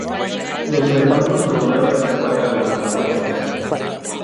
Los hermanos lograron escapar a Guanajuato.